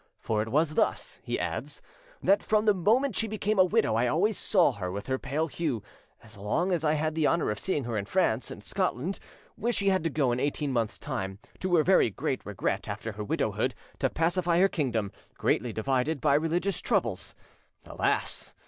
For it was thus," he adds, "that from the moment she became a widow, I always saw her with her pale hue, as long as I had the honour of seeing her in France, and Scotland, where she had to go in eighteen months' time, to her very great regret, after her widowhood, to pacify her kingdom, greatly divided by religious troubles. Alas!